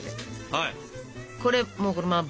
はい。